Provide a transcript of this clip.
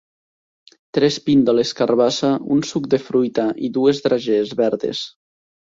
Tres píndoles carbassa, un suc de fruita i dues dragees verdes.